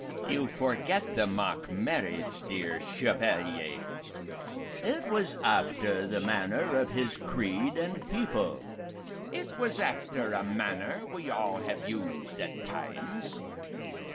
"You forget the mock marriage, dear Chevalier." "It was after the manner of his creed and people." "It was after a manner we all have used at times."